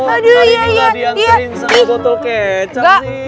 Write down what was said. aduh hari ini gak diantriin sebotol kecap nih